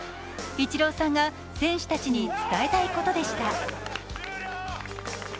イチローさんが選手たちに伝えたいことでした。